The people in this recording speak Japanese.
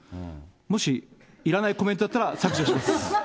もしいらないコメントだったら削除します。